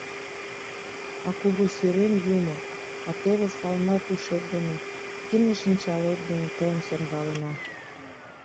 «А кугу сӱрем юмо, а теве салма пушет дене, кинде-шинчалет дене тыйым сӧрвалена...»